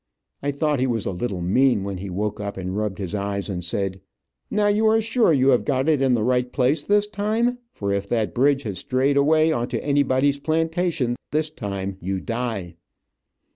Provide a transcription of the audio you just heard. I thought he was a little mean when he woke up and rubbed his eyes, and said: "Now, you are sure you have got it in the right place this time, for if that bridge has strayed away onto anybody's plantation this time, you die."